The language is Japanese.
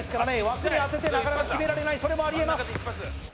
枠に当ててなかなか決められないそれもありえます